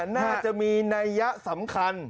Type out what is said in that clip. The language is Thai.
น่าจะมีนัยยะสำคัญ